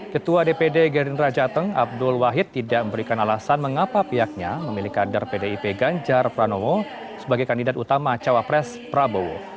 ketua dpd gerindra jateng abdul wahid tidak memberikan alasan mengapa pihaknya memilih kader pdip ganjar pranowo sebagai kandidat utama cawapres prabowo